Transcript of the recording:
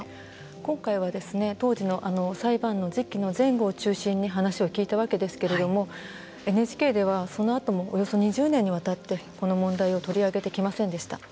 今回は当時の裁判の時期の前後を中心に話を聞いたわけですけれどもＮＨＫではそのあともおよそ２０年にわたってこの問題を取り上げてきませんでした。